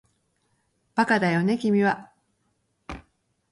バカだよね君は